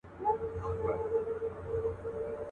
تر قدمه يې په زر ځله قربان سول.